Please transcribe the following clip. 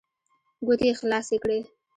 ګوتې يې خلاصې کړې.